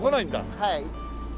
はい。